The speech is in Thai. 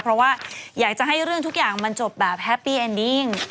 เพราะว่าอยากจะให้เรื่องทุกอย่างมันจบแบบแฮปปี้เอ็นดิ้ง